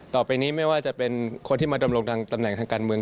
ต่อไปนี้ไม่ว่าจะเป็นคนที่มาดำรงทางตำแหน่งทางการเมือง